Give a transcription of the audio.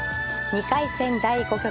２回戦第５局。